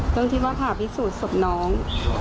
เรื่องที่ว่าผ่าพิสูจน์ศพน้อง